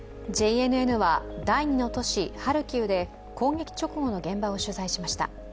ＪＮＮは第２の都市・ハルキウで攻撃直後の現場を取材しました。